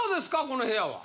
この部屋は。